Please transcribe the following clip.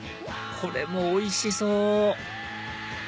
これもおいしそう！